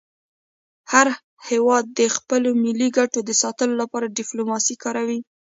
هر هېواد د خپلو ملي ګټو د ساتلو لپاره ډيپلوماسي کاروي.